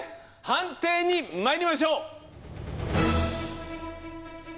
判定にまいりましょう！